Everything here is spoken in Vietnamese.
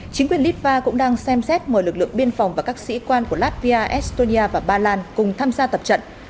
chính quyền litva cũng đang xem xét mời lực lượng biên phòng và các sĩ quan của latvia estonia và ba lan cùng tham gia tập trận